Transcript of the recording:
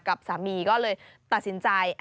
กับสามีก็เลยตัดสินใจ